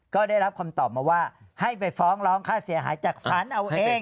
ก็ได้รับคำตอบมาว่าให้ไปฟ้องร้องค่าเสียหายจากศาลเอาเอง